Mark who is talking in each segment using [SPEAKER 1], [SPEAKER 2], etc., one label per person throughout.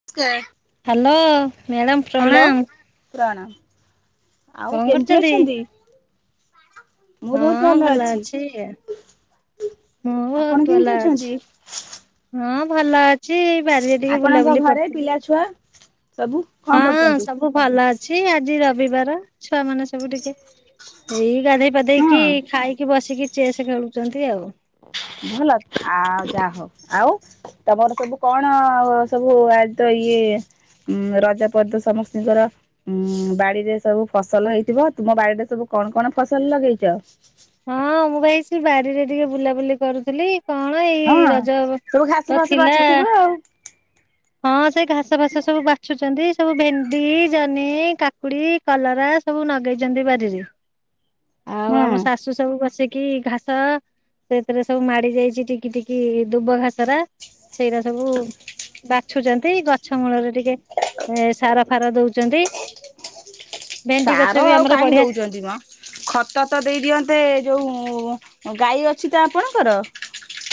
[SPEAKER 1] [unintelligible]
[SPEAKER 2] Hello madam
[SPEAKER 1] hello
[SPEAKER 2] ପ୍ରଣାମ।
[SPEAKER 1] ପ୍ରଣାମ ଆଉ
[SPEAKER 2] କଣ
[SPEAKER 1] କେମିତି
[SPEAKER 2] କରୁଛନ୍ତି?
[SPEAKER 1] ଅଛନ୍ତି?
[SPEAKER 2] ହଁ ଭଲ ଅଛି ଆ। ମୁଁ
[SPEAKER 1] ଆପଣ
[SPEAKER 2] ବହୁତୁ
[SPEAKER 1] କେମିତି
[SPEAKER 2] ଭଲ ଅଛି
[SPEAKER 1] ଅଛନ୍ତି?
[SPEAKER 2] ହଁ ଭଲ ଅ। ସେଇ ବାରିରେ ଟିକେ ବୁଲାବୁଲି କରୁଥିଲି।
[SPEAKER 1] ସାବୁ କଣ କରୁଚନ୍ତି?
[SPEAKER 2] ମୁଁ ଭଲ ଅଛି ଆଜି ରବିବାର ଛୁଆ ମାନେ ସବୁ ଟିକେ ଏଇ ଗାଧେଇ ଗାଧେଇକି
[SPEAKER 1] ହଁ
[SPEAKER 2] ଖାଇକି ବସିକି ଚେସ୍ ଖେଳୁଛନ୍ତି ଆଉ।
[SPEAKER 1] ଭଲ ଆଉ ଯାହା ହଉ, ଆଉ? ତମର ସବୁ କଣ ଆଉ ସବୁ ଆଜି ତ ଇଏ ଉଁ ରଜ ପରେ ତ ସମସ୍ତିଙ୍କର ଉୁଁ ବାଡିରେ ସବୁ ଫସଲ ହେଇଥିବ, ତୁମ ବାଡିରେ ସବୁ କଣ କଣ ଫସଲ ଲଗେଇଛ?
[SPEAKER 2] ହଁ ମୁଁ ବା ଏଈ ସେ ବାରିରେ ଟିକେ ବୁଲାବୁଲି କରୁଥିଲି। କଣ
[SPEAKER 1] ହଁ
[SPEAKER 2] ଏଇ ରଜ
[SPEAKER 1] ସବୁ ଘାସ
[SPEAKER 2] ତ
[SPEAKER 1] ଫାସ
[SPEAKER 2] ଥିଲା
[SPEAKER 1] ବାଛୁଥିବ ଆଉ
[SPEAKER 2] ହଁ ସେ ଘାସ ଫାସ ସବୁ ବାଛୁଚନ୍ତି ସବୁ ଭେଣ୍ଡି, ଜହ୍ନି, କାକୁଡି କଲରା ସବୁ ନଗେଇଚନ୍ତି ବାଡି ରେ। ଆଉ
[SPEAKER 1] ହୁଁ।
[SPEAKER 2] ଆମ ଶାଶୁ ସବୁ ବସିକି ଘାସ ସେଥିରେ ସବୁ ମାଡି ଯାଇଛି ଟିକି ଟିକି ଦୁବ ଘାସରା ସେଇଟା ସବୁ ବାଛୁଚନ୍ତି ଗଛ ମୂଳରେ ଟିକେ ଏ ସାର ଫାର ଦଉଚନ୍ତି
[SPEAKER 1] ସାର ଆଉ
[SPEAKER 2] ଆମର
[SPEAKER 1] କାଇଁ
[SPEAKER 2] ବଢିଆ
[SPEAKER 1] ଦଉଚନ୍ତି ମ? ଖତ ତ ଦେଇଦିଅନ୍ତେ ଯୋଉ ଗାଈ ଅଛି ତ ଆପଣଙ୍କର?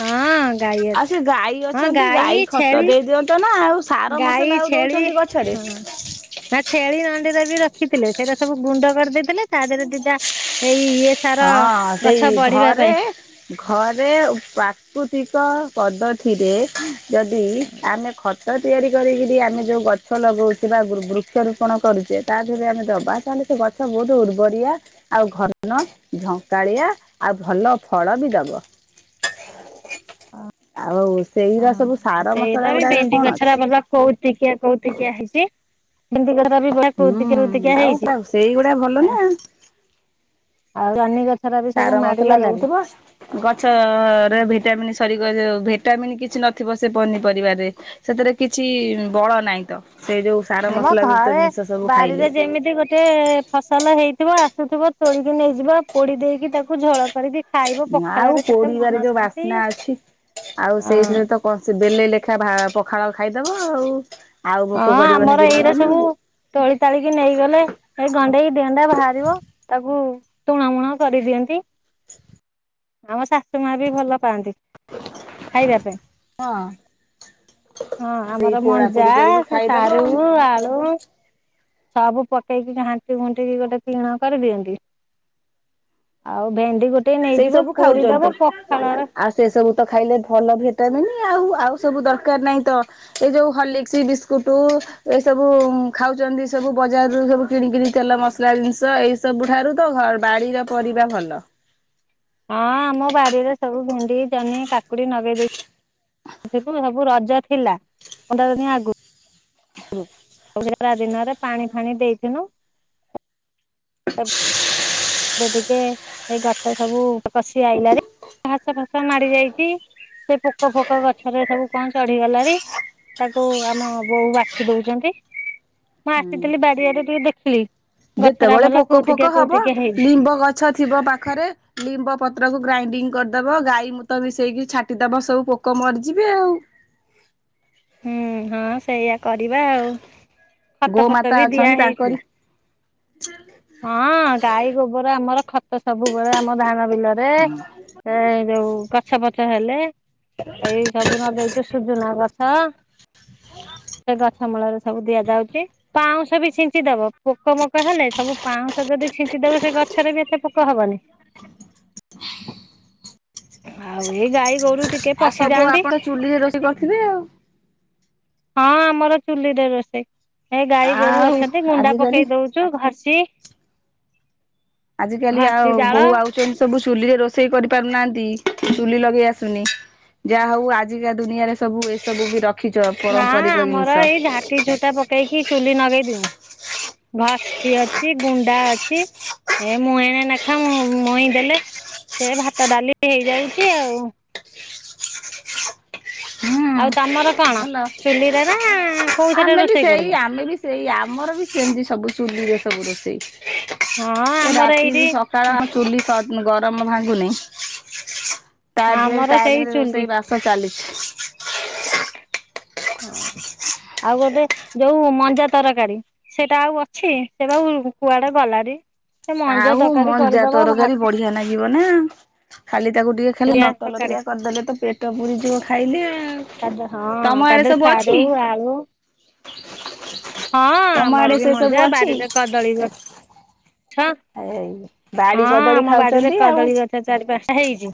[SPEAKER 2] ହଁ ଗାଈ
[SPEAKER 1] ଆଉ
[SPEAKER 2] ଅଛି
[SPEAKER 1] ସେ ଗାଈ
[SPEAKER 2] ହଁ
[SPEAKER 1] ଅଛନ୍ତି ଗାଈ ଖତ
[SPEAKER 2] ଛେଳି
[SPEAKER 1] ଦେଇ ଦିଅନ୍ତ ନା ଆଉ ସା ସାର
[SPEAKER 2] ଗାଈ
[SPEAKER 1] ମସଲା ଆଉ
[SPEAKER 2] ଛେଳି
[SPEAKER 1] ଦଉଚନ୍ତି ଗଛରେ।
[SPEAKER 2] ହଁ ନା ଛେଳି ନଣ୍ଡି ବି ରଖିଥିଲେ ସେଇଟା ସବୁ ଗୁଣ୍ଡ କରିଦେଇଥିଲେ ତା ଦେହରେ ଦିଟା ଏଇ ଇଏ ସାର
[SPEAKER 1] ହଁ
[SPEAKER 2] ଗଛ
[SPEAKER 1] ସେଇ
[SPEAKER 2] ବଢିବା ପାଇଁ
[SPEAKER 1] ଘରେ ଘରେ ପ୍ରାକୃତିକ ପଦ୍ଧତିରେ ଯଦି ଆମେ ଖ ଖତ ତିଆରି କରିକିରି ଆମେ ଯୋଉ ଗଛ ନଗଉଚୁ ବା ବୃକ୍ଷ ରୋପଣ କରୁଚେ ତା ଦେହରେ ଆମେ ଦବା ତାହେଲେ ସେ ଗ ଗଛ ବହୁତ୍ ଉର୍ବରିଆ ଆଉ ଘନ ଝଙ୍କାଳିଆ ଆଉ ଭଲ ଫଳ ବି ଦବ। ଆଉ
[SPEAKER 2] ହଁ
[SPEAKER 1] ସେଇଗୁରା ସବୁ ସାର ମସଲା ଗୁଡାକରେ କଣ ଅଛି।
[SPEAKER 2] କୋଉ ତିକିଆ କୋଉ ତିକିଆ ହେଇଚି ଯେମିତି ତଥାପି ସେ
[SPEAKER 1] ହୁଁ
[SPEAKER 2] କଉତିକିଆ କଉ ତିକିଆ
[SPEAKER 1] ଆଉ
[SPEAKER 2] ହେଇଛି
[SPEAKER 1] ପୁରା ସେଇଗୁଡା ଭଲ ନା
[SPEAKER 2] ଆ ଆଉ ଜହ୍ନିଗଛ
[SPEAKER 1] ସାର ମସଲା ଦଉଥିବ ଗଛ ରେ ଭିଟାମିନ ସରିଗ ଭିଟାମିିନ୍ କିଛି ନଥିବ ସେ ପନିପରିବାରେ ସେଥିରେ କିଛି ବଳ ନାଇଁ ତ ସେ ଯୋଉ ସାର
[SPEAKER 2] ଆମ
[SPEAKER 1] ମସଲା ଯୁକ୍ତ
[SPEAKER 2] ଘରେ
[SPEAKER 1] ଜିନିଷ ସବୁ ଖାଇଲେ
[SPEAKER 2] ବାରିରେ ଯେମିତି ଗୋ ସେ ଫସଲ ହେଇଥିବ ଆସୁଥିବ ତୋଳିକି ନେଇଯିବ ପୋଡି ଦେଇକି ତାକୁ ଝୋଳ କରିକି ଖାଇବୁ
[SPEAKER 1] ଆଉ
[SPEAKER 2] ପଖାଳରେ କେତେ
[SPEAKER 1] ପୋଡିବାରେ ଯୋଉ
[SPEAKER 2] ମନଶାନ୍ତି
[SPEAKER 1] ବାସ୍ନା
[SPEAKER 2] ଆଁ
[SPEAKER 1] କସି ଦେଲେ ଲେଖା ଭା ପଖାଳ ଖାଇଦବ ଆଉ
[SPEAKER 2] ହଁ
[SPEAKER 1] ଭୋକ କରିବନି
[SPEAKER 2] ଆମର ଏଇରା
[SPEAKER 1] ଦିନମାନ
[SPEAKER 2] ସବୁ ତୋଳି ତାଳିକି ନେଇଗଲେ ସେ ଗଣ୍ଡେଇ କି ଦିଗଣ୍ଡା ବାହାରିବ ତାକୁ ତୁଣ ମୁଣ କରିଦିଅନ୍ତି ଆମ ଶାଶୁମା ବି ଭଲ ପାଆନ୍ତି। ଖାଇବା ପାଇଁ
[SPEAKER 1] ହଁ
[SPEAKER 2] ହଁ
[SPEAKER 1] ସେଇ
[SPEAKER 2] ଆମର
[SPEAKER 1] ପୋଡା ପୋଡି
[SPEAKER 2] ମଞ୍ଜା
[SPEAKER 1] କରିକି
[SPEAKER 2] ସେ
[SPEAKER 1] ଖାଇଦବ
[SPEAKER 2] ସାରୁ
[SPEAKER 1] ଆଉ
[SPEAKER 2] ଆଳୁ ସବୁ ପଟେଇକି ଘାଣ୍ଟି ଘୁଣ୍ଟିିକି ଗୋଟେ ତିଣ କରିଦିଅନ୍ତି। ଆଉ ଭେଣ୍ଡି ଗୋଟେ ନେଇଯିବ ପୋଡି ଦବ ପଖାଳ ର
[SPEAKER 1] ସେସବୁ ତ ଖାଇଲେ ଭଲ ଭିଟାମିନ୍ ଆଉ ଆଉ ସବୁ ଦରକାର ନାହିଁ ତ? ଏଇ ଯୋଉ ହଲିସ୍କ ବିସ୍କୁଟ ଏ ସବୁ ଖାଉଛନ୍ତି ସବୁ ବଜାରରୁ ସବୁ କିଣିକିରି ତେଲ ମସଲା ଜିନିଷ ଏଇ ସବୁ ଠାରୁ ତ ଘ ବାରି ର ପରିବା ଭଲ।
[SPEAKER 2] ହଁ ଆମ ବାଡିରେ ସବୁ ଭେଣ୍ଡି ଜହ୍ନି କାକୁଡି ନଗେଇ ଦେଇଚି। [unintelligible] ସବୁ ରଜ ଥିଲା ପନ୍ଦର ଦିନି ଆଗକୁ। ହୁଁ [unintelligible] ଦିନରେ ପାଣି ଫାଣି ଦେଇିଥିନୁ। [inaudible] ଏବେ ଟିକେ ଏଇ ଗଛ ସବୁ କଷି ଆଇଲାଣି ଘାସ ଫାସ ମାଡି ଯାଇଛି। ସେ ପୋକ ଫୋକ ଗଛରେ ସବୁ କଣ ଚଢିଗଲାଣି। ତାକୁ ଆମ ବୋଉ ବାଛି ଦଉଛନ୍ତି ମୁଁ ଆସିଥିଲି ବାଡିଆଡେ ଟିକେ ଦେଖିଲି। ଗଛ ଟା
[SPEAKER 1] ଯେତେବେଳେ
[SPEAKER 2] ଭଲ
[SPEAKER 1] ପୋକ
[SPEAKER 2] କୋଉତିକିଆ
[SPEAKER 1] ଫୋକ ହବ
[SPEAKER 2] କୋଉତିକିଆ ହେଇଛି।
[SPEAKER 1] ଲିମ୍ବ ଗଛ ଥିବ ପାଖରେ ଲିମ୍ବ ପତ୍ରକୁ ଗ୍ରାଇଣ୍ଡିଙ୍ଗ କରିଦବ ଗାଈ ମୁତ ମିଶେଇକି ଛାଟିଦବ ସବୁ ପୋ କ ମରିଯିବେ ଆଉ।
[SPEAKER 2] ହୁଁ ହଁ ସେଇଆ କରିବା ଆଉ ଖତ ଫତ
[SPEAKER 1] ଗୋମାତା
[SPEAKER 2] ବି ଦିଆ
[SPEAKER 1] ଅଛନ୍ତି ତାଙ୍କରି
[SPEAKER 2] ହେଇଥିଲା। ହଁ ଗାଈ ଗୋବର ଆମର ଖତ ସବୁବେଳେ ଆମ ଧାନ ବିଲରେ। ଏଇ ଯୋଉ ଗଛ ପଛ ହେଲେ ଏଇ ସବୁ ନ ନଗେଇଛୁ ସୁଜୁନା ଗଛ। ସେ ଗଛ ମୂଳରେ ସବୁ ଦିଆଯାଉଛି ପାଉଁଶ ବି ଛିଞ୍ଚିଦବ ପୋକ ମୋକ ହେଲେ। ସବୁ ପାଉଁଶ ଯଦି ଛିଞ୍ଚିଦବ ସେ ଗଛରେ ବି ଏତେ ପୋକ ହବନି। ଆଉ ଏଇ ଗାଈ ଗୋରୁ ଟିକେ
[SPEAKER 1] ଆଉ ସବୁ
[SPEAKER 2] ପଶିଯାଆନ୍ତି
[SPEAKER 1] ଆପଣ ଚୁଲିରେ ରୋଷେଇ କରିଥିବେ ଆଉ।
[SPEAKER 2] ହଁ ଆମର ଚୁଲିରେ ରୋଷେଇ ଏ ଗାଈ ଗୋରୁ
[SPEAKER 1] ଆଉ
[SPEAKER 2] ଅଛନ୍ତି ଗୁଣ୍ଡା
[SPEAKER 1] ଆଜିକାଲି
[SPEAKER 2] ପକେଇ ଦଉଚୁ। [unintelligible]
[SPEAKER 1] ଆଜିକାଲି ଆଉ
[SPEAKER 2] ଜାଳ
[SPEAKER 1] ବୋହୂ ଆଉ [unintelligible] ସବୁ ଚୁଲିରେ ରୋଷେଇ କରିପାରୁନାହାନ୍ତି ଚୁଲି ଲଗେଇ ଆସୁନି। ଯାହା ହଉ ଆଜିକା ଦୁନିଆରେ ସବୁ ଏସବୁ ବି ରଖି
[SPEAKER 2] ନା ଆମର ଏଇ ଝାଟି ଝୋଟା ପକେଇକି ଚୁଲି ନଗେଇ ଦଉ। ଘଷିକ୍ ଅଛି ଗୁଣ୍ଡା ଅଛି। ଏ ମୁଁ ଏଣେ ନେଖା ମୁଁ ମଇଁ ଦେଲେ ସେ ଭାତ ଡାଲି ହେଇଯାଉଛି ଆଉ।
[SPEAKER 1] ହୁଁ।
[SPEAKER 2] ଆଉ ତମର କଣ
[SPEAKER 1] ଭଲ
[SPEAKER 2] ଚୁଲିରେ ନା କୋଉଥିରେ
[SPEAKER 1] ଆମେ ବି
[SPEAKER 2] ରୋଷେଇ
[SPEAKER 1] ସେଇ
[SPEAKER 2] କରିବ।
[SPEAKER 1] ଆମେ ବି ସେଇ ଆମର ବି ସେମିତି ସବୁ ଚୁଲିରେ ସବୁ
[SPEAKER 2] ହଁ
[SPEAKER 1] ରୋଷେଇ। ଏ
[SPEAKER 2] ଆମର ଏଇଠି
[SPEAKER 1] ରାତିରୁ ସକାଳ ଆଉ ଚୁଲି ଗରମ ଭାଙ୍ଗୁନି। ତା ଦେହରେ
[SPEAKER 2] ଆମର
[SPEAKER 1] ତା
[SPEAKER 2] ସେଇ
[SPEAKER 1] ଦେହରେ
[SPEAKER 2] ଚୁଲି
[SPEAKER 1] ରୋଷେଇ ବାସ ଚାଲିଛି। [inaudible]
[SPEAKER 2] ଆଉ ଗୋଟେ ଯୋଉ ମଞ୍ଜା ତରକାରୀ। ସେଟା ଆଉ ଅଛି ସେ ବା କୁଆଡେ ଗଲାଣି। ସେ ମଞ୍ଜା
[SPEAKER 1] ଆଉ
[SPEAKER 2] ତରକାରୀ
[SPEAKER 1] ମଞ୍ଜା
[SPEAKER 2] କରିଦବ ଭାତ
[SPEAKER 1] ତରକାରୀ ବଢିଆ ଲାଗିବ ନା ଖାଲି ତାକୁ ଟିକେ ଖାଲି ଲତ
[SPEAKER 2] ତରକାରୀ
[SPEAKER 1] ଲତିଆ କରିଦେଲେ ତ ପେଟ ପୁରିଯିବ ଖାଇଲେ ଆଉ ତମ ଆଡେ ସବୁ ଅଛି।
[SPEAKER 2] ଦୁ ଆଳୁ। ହଁ
[SPEAKER 1] ତମ ଆଡେ
[SPEAKER 2] ଆମର ବି
[SPEAKER 1] ସେ ସବୁ
[SPEAKER 2] ମଜା
[SPEAKER 1] ଅଛି?
[SPEAKER 2] ବାରିରେ କଦଳୀ ବି ଅଛି। ଛ
[SPEAKER 1] ଏଇ
[SPEAKER 2] ହଁ
[SPEAKER 1] ବାଡି କଦଳୀ
[SPEAKER 2] ଆମ ବାଡିରେ
[SPEAKER 1] ଖାଉଛନ୍ତି ଆଉ।
[SPEAKER 2] କଦଳୀ ଗଛ। ଚାରି ପାଞ୍ଚ ଟା ହେଇଛି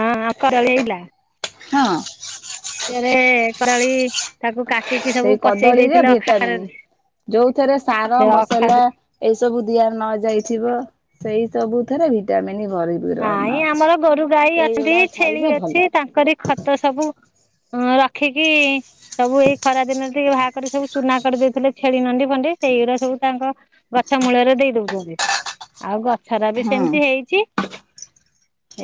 [SPEAKER 2] ହଁ ଆଉ। [unintelligible]
[SPEAKER 1] ହଁ।
[SPEAKER 2] [unintelligible] କାଟିକି ସବୁ
[SPEAKER 1] ସେଇ
[SPEAKER 2] ପଚେଇ
[SPEAKER 1] କଦଳୀରେ
[SPEAKER 2] ଦେଇଥିଲେ
[SPEAKER 1] ଭିଟାମିିନ
[SPEAKER 2] ଅଖାରରେ
[SPEAKER 1] ଯୋଉଥିରେ ସାର
[SPEAKER 2] ସେ ଅଖା
[SPEAKER 1] ମସଲା ଏଇ ସବୁ ଦିଆ ନ ଯାଇଥିବ ସେଇ ସବୁ ଥରେ ଭିଟାମିନ ଭରି
[SPEAKER 2] ନାଇଁ ଆମର ଗୋରୁ ଗାଈ ଅଛନ୍ତି ଛେଳି
[SPEAKER 1] ଖାଇଲେ ଭଲ।
[SPEAKER 2] ଅଛି ତାଙ୍କରି ଖତ ସବୁ ହଁ ରଖିକି ସବୁ ଏଇ ଖରା ଦିନରେ ଟିକେ ବାହାଘ କରି ସବୁ ଚୁନା କରିଦେଇଥିଲେ ଛେଳି ନଣ୍ଡି ଖଣ୍ଡେ ସେଇଗୁଡା ସବୁ ତାଙ୍କ ଗଛ ମୂଳରେ ଦେଇ ଦଉଛନ୍ତି। ଆଉ ଗଛ ରା ବି
[SPEAKER 1] ହଁ।
[SPEAKER 2] ସେମିତି ହେଇଛି।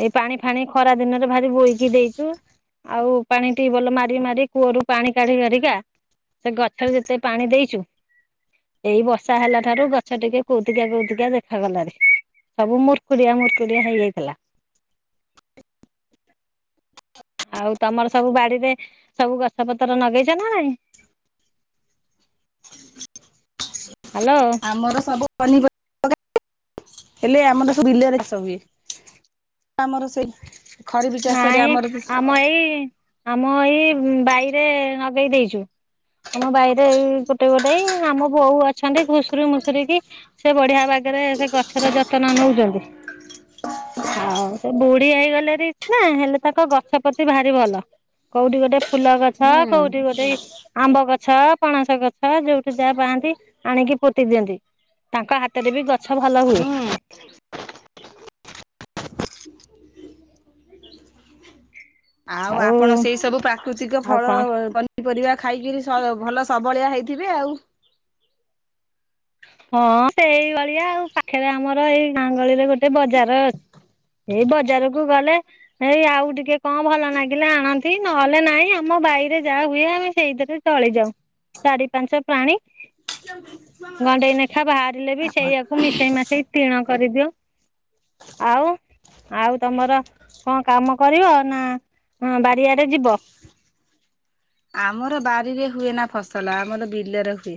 [SPEAKER 2] ଏଇ ପାଣି ଫାଣି ଖରା ଦିନରେ ଭାରି ବୋହିକି ଦେଇଛୁ। ଆଉ ପାଣି ଟିଉବଲ ମାରି ମାରି କୂଅରୁ ପାଣି କାଢି କାଢିକା ସେ ଗଛରେ ଯେତେ ପାଣି ଦେଇଛୁ। ଏଇ ବର୍ଷା ହେଲା ଠାରୁ ଗଛ ଟିକେ କୋଉତିିକିଆ କୋଉତିକିଆ ଦେଖାଗଲାଣି। ସବୁ ମୁର୍କୁଡିଆ ମୁର୍କୁଡିଆ ହେଇଯାଇଥିଲା। ଆଉ ତମର ସବୁ ବାଡିରେ ସବୁ ଗଛ ପତର ନଗେଇଛ ନା ନାଇଁ। ହ୍ୟାଲୋ।
[SPEAKER 1] ଆମର ସବୁ ପନିପରିବା [unintelligible] ହେଲେ ଆମର ସବୁ ଵିଲ ରେ ଚାଷ ହୁଏ, ଆମର ସେଇ। ଖରିଫ ଚାଷରେ
[SPEAKER 2] ନାଇଁ
[SPEAKER 1] ଆମର
[SPEAKER 2] ଆମ ଏଇ ଆମ ଏଇ ବାଇରେ ନଗେଇ ଦେଇଛୁ। ଆମ ବାଇରେ ଏଇ ଗୋଟେ ଗୋଟାଏ ଆମ ବୋଉ ଅଛନ୍ତି ଘୁଷୁର ମୁସୁରି କି ସେ ବଢିଆ ବାଗରେ ସେ ଗଛର ଯତ୍ନ ନଉଛନ୍ତି। ଆଉ ସେ ବୁଢୀ ହେଇଗଲେଣି ସିନା ହେଲେ ତାଙ୍କ ଗଛପ୍ରତି ଭାରି ଭଲ। କୋଉଠି ଗୋଟେ ଫୁଲ ଗଛ
[SPEAKER 1] ହୁଁ
[SPEAKER 2] କୋଉଠି ଗୋଟେ ଆମ୍ବ ଗଛ, ପଣସ ଗଛ, ଯୋଉଠୁ ଯାହା ପାଆନ୍ତି ଆଣିକି ପୋତି ଦିଅନ୍ତି। ତାଙ୍କ ହାତରେ ବି ଗଛ ଭଲ ହୁଏ।
[SPEAKER 1] ହୁଁ। ଆଉ ଆପଣ ସେଇ ସବୁ ପ୍ରାକୃତିକ ଫଳ ଆଉ ପନି ପରିବା ଖାଇକିରି ସ ଭଲ ସବଳିଆ ହେଇଥିବେ ଆଉ।
[SPEAKER 2] ହଁ, ହେଇଭଳିଆ ଆଉ ପାଖରେ ଆମର ଏଇ ଗାଁ ଗହଳିରେ ଗୋଟେ ବଜାର ଅଛି। ହେଇ ବଜାରକୁ ଗଲେ ହେଇ ଆଉ ଟିକେ କଣ ଭଲ ନାଗିଲେ ଆଣନ୍ତି ନହେଲେ ନାଇଁ ଆମ ବାଇରେ ଯାହା ହୁଏ ଆମେ ସେଇଥିରେ ଚଳି ଯାଉ। ଚାରି ପାଞ୍ଚ ପ୍ରାଣୀ।
[SPEAKER 1] କେ
[SPEAKER 2] ଗଣ୍ଡେଇ ନେଖା ବାହାରିଲେ ବି ସେଇଆାକୁ ମିଶେଇ ମାସେଇ ତିଣ କରିଦିଅଉ। ଆଉ ଆଉ ତମର କଣ କାମ କରିବ ନା ବାରିଆଡେ ଯିବ।
[SPEAKER 1] ଆମର ବାରିରେ ହୁଏ ନା ଫସଲ, ଆମର ବିଲରେ ହୁଏ।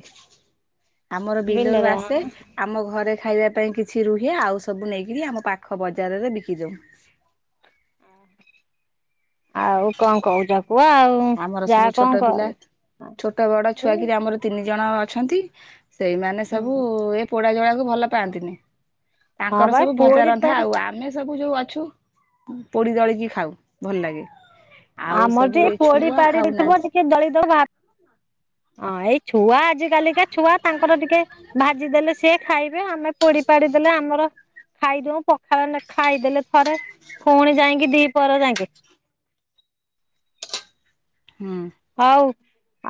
[SPEAKER 1] ଆମର ବିଲରୁ
[SPEAKER 2] ବିଲରେ
[SPEAKER 1] ଆସେ। ଆମ ଘରେ ଖାଇବା ପାଇଁ କିଛି ରୁହେ, ଆଉ ସବୁ ନେଇକିରି ଆମ ପାଖ ବଜାରରେ ବିକି ଦଉ।
[SPEAKER 2] ଆଉ କଣ କହୁଛ କୁହ ଆଉ।
[SPEAKER 1] ଆମର
[SPEAKER 2] ଯାହା
[SPEAKER 1] ସବୁ
[SPEAKER 2] କଣ
[SPEAKER 1] ଛୋଟ
[SPEAKER 2] କ
[SPEAKER 1] ପିଲା। ଛୋଟ ବଡ ଛୁଆ କିରି ଆମର ତିନି ଜଣ ଅଛନ୍ତି। ସେଇମାନେ ସବୁ ଏ ପୋଡା ଜଳାକୁ ଭଲ ପାଆନ୍ତିନି।
[SPEAKER 2] ହଁ
[SPEAKER 1] ତାଙ୍କର
[SPEAKER 2] ବା
[SPEAKER 1] ସବୁ ଭଜା
[SPEAKER 2] ପୋଡି
[SPEAKER 1] ରନ୍ଧା
[SPEAKER 2] ପାରି
[SPEAKER 1] ଆଉ। ଆମେ ସବୁ ଯୋଉ ଅଛୁ ପୋଡି ଦଳିକି ଖାଉ ଭଲ ଲାଗେ। ଆଉ ସବୁ ଛୁଆ
[SPEAKER 2] ପୋଡିପାଡି ହେଇଥିବ
[SPEAKER 1] ଖାଉନାହାନ୍ତି।
[SPEAKER 2] ଟିକେ ଦଳିଦବ ହଁ, ଏଇ ଛୁଆ ଆଜି କାଲିକା ଛୁଆ ତାଙ୍କର ଟିକେ ଭାଜି ଦେଲେ ସିଏ ଖାଇବେ। ଆମେ ପୋଡିପାଡି ଦେଲେ ଆମର ଖାଇଦଉଁ। ପଖାଳ ଆମେ ଖାଇଦେଲେ ଥରେ ଫୁଣି ଯାଇଁକି ଦିପହର ଯାଙ୍କେ।
[SPEAKER 1] ହୁଁ।
[SPEAKER 2] ହଉ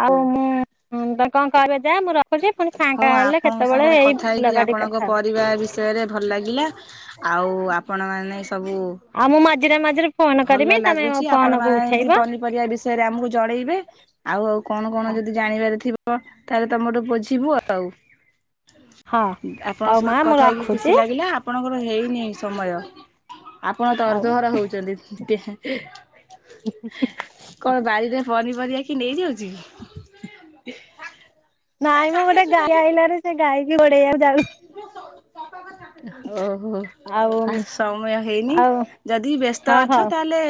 [SPEAKER 2] ଆଉ ମୁଁ ତମେ କଣ କର ଯା, ମୁଁ ର ରଖୁଛି ଫୁଣି ଫାଙ୍କା
[SPEAKER 1] ହଉ
[SPEAKER 2] ହେଲେ
[SPEAKER 1] ଆପଣଙ୍କ
[SPEAKER 2] କେତେବେଳେ
[SPEAKER 1] ସାଙ୍ଗରେ
[SPEAKER 2] ଏଇ
[SPEAKER 1] କଥା ହେଇକି
[SPEAKER 2] ବିଲବାଡ଼ି
[SPEAKER 1] ଆପଣଙ୍କ
[SPEAKER 2] କଥା ହବା।
[SPEAKER 1] ପରିବାର ବିଷୟରେ ଭଲ ଲାଗିଲା ଆଉ ଆପଣମାନେ ସବୁ
[SPEAKER 2] ଆଉ ମୁଁ ମଝିରେ ମଝିରେ ଫୋନ କରିମି
[SPEAKER 1] ଭଲ
[SPEAKER 2] ତମେ ମୋ
[SPEAKER 1] ଲାଗୁଛି ଆପଣ
[SPEAKER 2] ଫୋନ କୁ
[SPEAKER 1] ମାନେ ଏମତି
[SPEAKER 2] ଉଠେଇବ
[SPEAKER 1] ପନିପରିବା ବିଷ ଆମକୁ ଜଣେଇବେ ଆଉ ଆଉ କଣ କଣ ଯଦି ଜାଣିବାର ଥିବ ତାହେଲେ ତମଠୁ ବୁଝି ଯିବୁ ଆଉ।
[SPEAKER 2] ହଁ।
[SPEAKER 1] ଆପଣଙ୍କ
[SPEAKER 2] ହଉ
[SPEAKER 1] ସହିତ
[SPEAKER 2] ମା ମୁଁ
[SPEAKER 1] କଥା ହେଇକି ଖୁସି
[SPEAKER 2] ରଖୁଛି
[SPEAKER 1] ଲାଗିଲା। ଆପଣଙ୍କର ହେଇନି ସମୟ, ଆପଣ
[SPEAKER 2] ଆଉ
[SPEAKER 1] ତରତର ହଉଛନ୍ତି ଟିକେ। କଣ ବାଡିରେ ପନିପରିବା କିଏ ନେଇଯାଉଛି କି?
[SPEAKER 2] ନାଇଁ ମୋ ଗୋଟେ ଗାଈ ଆଇଲାରେ ସେ ଗାଈ କି ଗୋଡେଇଆ ଯାଉ।
[SPEAKER 1] କଥା। ଓହୋ
[SPEAKER 2] ଆଉ
[SPEAKER 1] ଆ ସମୟ ହେଇନି
[SPEAKER 2] ଆଉ
[SPEAKER 1] ଯଦି ବ୍ୟସ୍ତ
[SPEAKER 2] ହଁ ହଉ।
[SPEAKER 1] ଅଛ ତା ହେଲେ।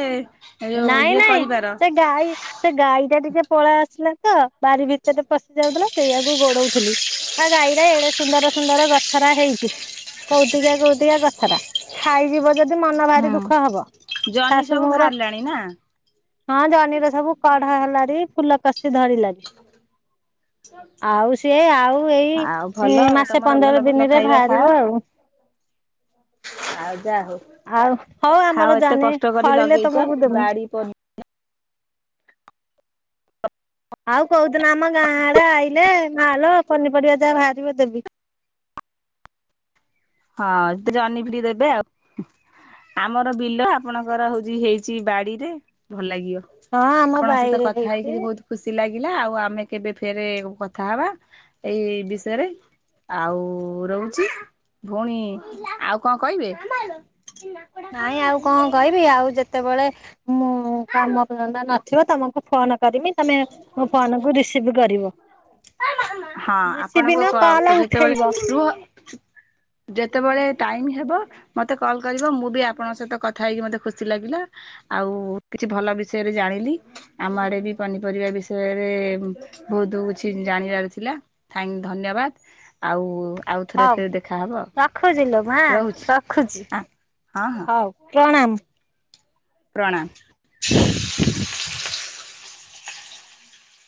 [SPEAKER 2] ନାଇଁ ନାଇଁ ସେ ଗାଈ ସେ ଗାଈ ଟା ଟିକେ ପଳେଇ ଆସିଲା ତ। ବାରି ଭିତରେ ପଶି ଯାଉଥିଲା ସେଇଆକୁ ଗୋଡଉଥିଲି। ଆଉ ଗାଈରେ ଏଡେ ସୁନ୍ଦର ସୁନ୍ଦର ଗଛରା ହେଇଛି। କୋଉଟିକା କୋଉଟିଆ କଥା ଟା ଖାଇଯିବ ଯଦି ମନ
[SPEAKER 1] ହଁ।
[SPEAKER 2] ଭାରି ଦୁଃଖ ହବ ଶାଶୁ ମୋର।
[SPEAKER 1] ନେଇ ନା।
[SPEAKER 2] ହଁ ଜହ୍ନିର ସବୁ କଢ ହେଲାରି ଫୁଲ କଷି ଧରିଲାରି। ଆଉ ସିଏ ଆଉ ଏଇ
[SPEAKER 1] ଆଉ ଭଲ ଆଉ
[SPEAKER 2] ମାସେ
[SPEAKER 1] ତମର ଭଲ
[SPEAKER 2] ପନ୍ଦର
[SPEAKER 1] ଭଲ
[SPEAKER 2] ଦିନରେ
[SPEAKER 1] ଖାଇବା ଖାଅ
[SPEAKER 2] ବାହାରିବ ଆଉ। [inaudible]
[SPEAKER 1] ଆଉ ଯା ହଉ
[SPEAKER 2] ଆଉ ହଉ ଆମର
[SPEAKER 1] ଖାଅ ଏତେ
[SPEAKER 2] ଜହ୍ନି
[SPEAKER 1] କଷ୍ଟ କରି
[SPEAKER 2] ଫଳିଲେ
[SPEAKER 1] ଲଗେଇଛ
[SPEAKER 2] ତମକୁ ଦେମୁ।
[SPEAKER 1] ବାଡି। ପ
[SPEAKER 2] ଆଉ କୋଉଦିନ ଆମ ଗାଁ ଆଡେ ଆଇଲେ ମାଲ ପନିପରିବା ଯାହା ବାହାରିବ ଦେବି।
[SPEAKER 1] ହଁ ଜହ୍ନି ବି ଟିକେ ଦେବେ ଆଉ। ଆମର ବିଲ ଆପଣଙ୍କର ହଉଛି ହେଇଛି ବାଡିରେ ଭଲ ଲାଗିବ।
[SPEAKER 2] ହଁ ଆମ
[SPEAKER 1] ଆପଣଙ୍କ ସହିତ
[SPEAKER 2] ବାଇରେ
[SPEAKER 1] କଥା
[SPEAKER 2] ହେଇଛି
[SPEAKER 1] ହେଇକିରି ବହୁତ ଖୁସି ଲାଗିଲା ଆଉ ଆମେ କେବେ ଫେରେ କଥା ହବା ଏଇ ବିଷୟରେ। ଆଉ ରହୁଛି ଭଉଣୀ। ଆଉ କଣ କହିବେ?
[SPEAKER 2] ନାଇଁ ଆଉ କଣ କହିବି ଆଉ ଯେତେବେଳେ ମୁଁ କାମଧନ୍ଦା ନଥିବ ତମକୁ ଫୋନ କରିମି ତମେ ମୋ ଫୋନ କୁ ରିସିଭ କରିବ।
[SPEAKER 1] ହଁ
[SPEAKER 2] ବେଶୀ
[SPEAKER 1] ଆପଣଙ୍କ
[SPEAKER 2] ବିିନ କଲ
[SPEAKER 1] ଯେତେବେଳେ
[SPEAKER 2] ଉଠେଇବ।
[SPEAKER 1] ରୁହ ଯେତେବେଳେ ଟାଇମ ହେବ ମତେ କଲ କରିବ ମୁଁ ବି ଆପଣଙ୍କ ସହିତ କଥା ହେଇକି ମତେ ଖୁସି ଲାଗିଲା। ଆଉ କିଛି ଭଲ ବିଷୟରେ ଜାଣିଲି ଆମ ଆଡେ ବି ପନିପରିବା ବିଷୟରେ ବହୁତ କିଛି ଜାଣିବାର ଥିଲା ଥ୍ୟାନ ଧନ୍ୟବାଦ। ଆଉ ଆଉଥରେ
[SPEAKER 2] ହଉ
[SPEAKER 1] ଫେର ଦେଖାହବ।
[SPEAKER 2] ରଖୁଛି ଲୋ ମା
[SPEAKER 1] ରହୁଛି
[SPEAKER 2] ରଖୁଛି
[SPEAKER 1] ହଁ ହଁ
[SPEAKER 2] ହଉ ପ୍ରଣାମ।
[SPEAKER 1] ପ୍ରଣାମ।